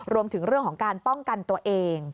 รวมถึงเรื่องของการป้องกันตัวเอง